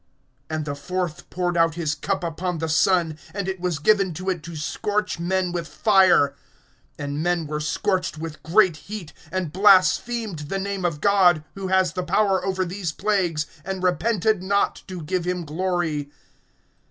(8)And the fourth poured out his cup upon the sun; and it was given to it to scorch men with fire. (9)And men were scorched with great heat, and blasphemed the name of God, who has the power over these plagues, and repented not, to give him glory.